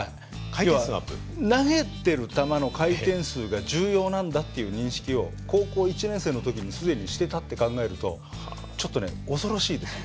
要は投げてる球の回転数が重要なんだっていう認識を高校１年生の時に既に知ってたって考えるとちょっとね恐ろしいですよ。